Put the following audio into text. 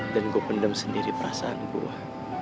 dan gua pendam sendiri perasaan gua